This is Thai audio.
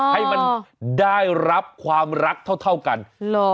อ๋อให้มันได้รับความรักเท่าเท่ากันหรอ